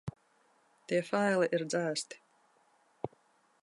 Tie faili ir dzēsti.